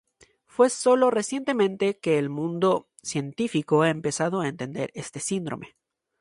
Fue sólo recientemente que el mundo científico ha empezado a entender este síndrome.